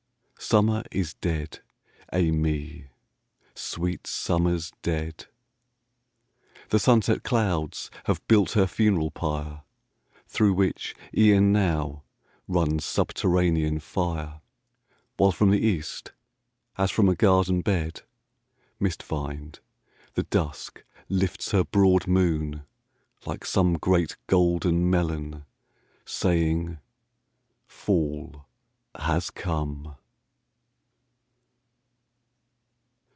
Summer is dead, ay me! sweet Summer's dead! The sunset clouds have built her funeral pyre, Through which, e'en now, runs subterranean fire: While from the East, as from a garden bed, Mist vined, the Dusk lifts her broad moon like some Great golden melon saying, "Fall has come."